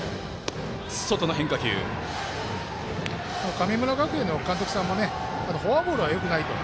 神村学園の監督さんもフォアボールはよくないと。